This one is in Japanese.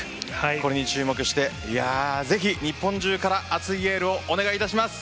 これに注目してぜひ日本中から熱いエールをお願いいたします。